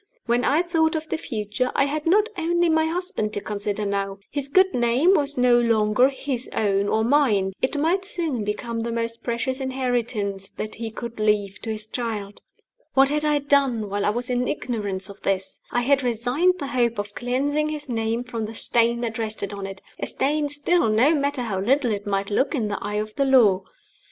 When I thought of the future, I had not only my husband to consider now. His good name was no longer his own and mine it might soon become the most precious inheritance that he could leave to his child. What had I done while I was in ignorance of this? I had resigned the hope of cleansing his name from the stain that rested on it a stain still, no matter how little it might look in the eye of the Law.